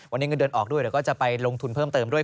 วันนี้เงินเดือนออกด้วยเดี๋ยวก็จะไปลงทุนเพิ่มเติมด้วย